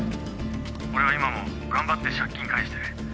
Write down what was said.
俺は今も頑張って借金返してる。